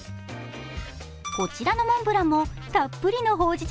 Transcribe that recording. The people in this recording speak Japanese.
こちらのモンブランも、たっぷりのほうじ茶